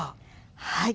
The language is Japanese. はい。